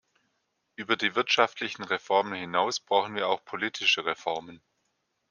Über die wirtschaftlichen Reformen hinaus brauchen wir auch politische Reformen.